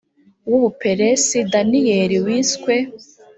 w u buperesi daniyeli wiswe